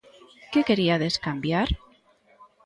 Que queriades cambiar?